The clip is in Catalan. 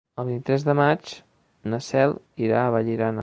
El vint-i-tres de maig na Cel irà a Vallirana.